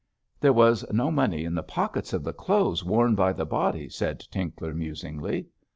'There was no money in the pockets of the clothes worn by the body,' said Tinkler, musingly.